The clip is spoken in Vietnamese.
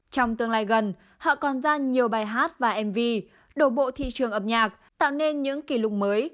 trong tương lai gần họ còn ra nhiều bài hát và mv đổ bộ thị trường âm nhạc tạo nên những kỷ lục mới